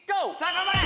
頑張れ！」